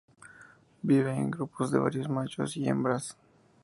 Vive en grupos de varios machos y hembras.